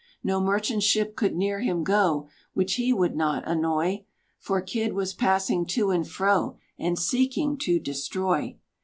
No merchant ship could near him go, Which he would not annoy; For Kidd was passing to and fro, And seeking to destroy.